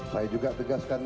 saya juga tegaskan